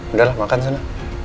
udah lah makan sana